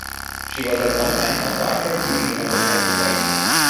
She was at one time a Barker Beauty on "The Price Is Right".